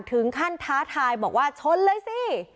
ถึงขั้นท้าทายบอกว่าชนเลยสิ